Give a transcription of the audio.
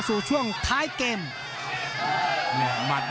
ภูตวรรณสิทธิ์บุญมีน้ำเงิน